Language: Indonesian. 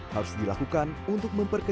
harus dilakukan untuk memperkecilkan